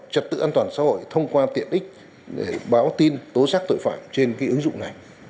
trật tự an toàn xã hội thông qua tiện ích để báo tin tố xác tội phạm trên cái ứng dụng này